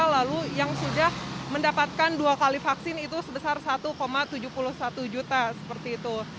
lalu yang sudah mendapatkan dua kali vaksin itu sebesar satu tujuh puluh satu juta seperti itu